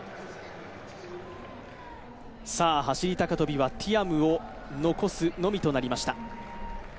走高跳はティアムを残すのみとなりました。